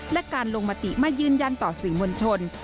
และการลงมติมายืนยันต่อสื่อมวลชน